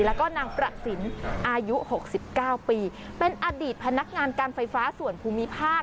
แล้วก็นางประสินอายุ๖๙ปีเป็นอดีตพนักงานการไฟฟ้าส่วนภูมิภาค